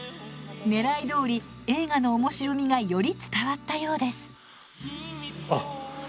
ねらいどおり映画の面白みがより伝わったようです。